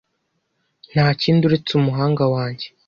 ntakindi uretse umuhanga wanjye